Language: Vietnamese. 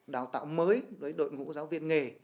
đào tạo mới với đội ngũ giáo viên nghề